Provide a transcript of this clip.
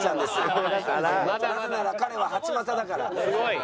なぜなら彼は８股だから。